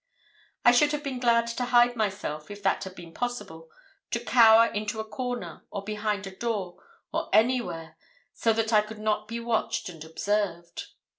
I should have been glad to hide myself, if that had been possible, to cower into a corner, or behind a door, or anywhere so that I could not be watched and observed.